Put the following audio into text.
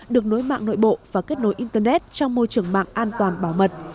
được nối mạng nội bộ và kết nối internet trong môi trường mạng an toàn bảo mật